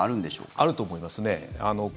あると思いますね。